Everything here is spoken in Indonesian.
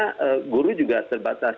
karena guru juga terbatas